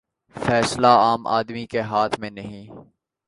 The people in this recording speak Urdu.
فیصلے عام آدمی کے ہاتھ میں نہیں۔